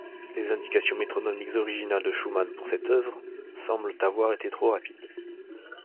Les indications métronomiques originales de Schumann pour cette œuvre, semblent avoir été trop rapides.